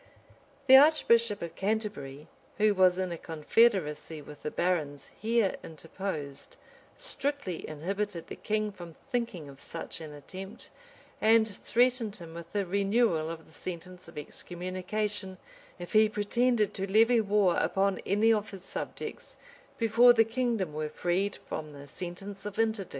The archbishop of Canterbury, who was in a confederacy with the barons here interposed; strictly inhibited the king from thinking of such an attempt; and threatened him with a renewal of the sentence of excommunication if he pretended to levy war upon any of his subjects before the kingdom were freed from the sentence of interdict.